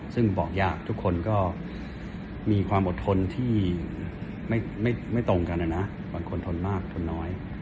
ซึ่งบอกยากทุกคนก็มีความอดทนที่ไม่ตรงกันนะนะบางคนทนมากทนน้อย